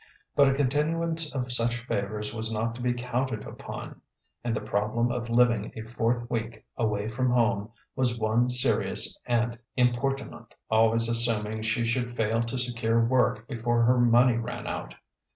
But a continuance of such favours was not to be counted upon; and the problem of living a fourth week away from home was one serious and importunate always assuming she should fail to secure work before her money ran out.